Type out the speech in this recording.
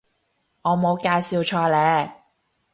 我冇介紹錯呢